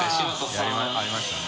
ありましたね。）